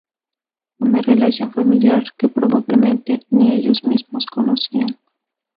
Una relación familiar que probablemente ni ellos mismos conocían.